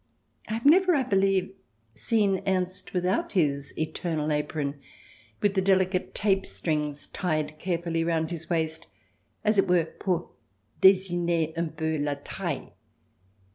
I have never, I believe, seen Ernst without his eternal apron, with the delicate tape strings tied carefully round his waist, as it were, " pour dessiner un peu la taille."